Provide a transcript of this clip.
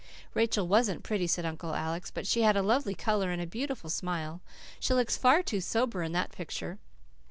"Rachel wasn't pretty," said Uncle Alec, "but she had a lovely colour, and a beautiful smile. She looks far too sober in that picture."